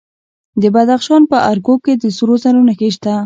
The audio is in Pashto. د بدخشان په ارګو کې د سرو زرو نښې شته.